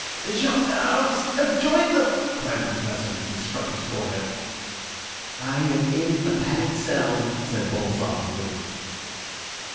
"The gendarmes have joined them!" cried the Professor, and struck his forehead. "I am in the padded cell," said Bull solidly.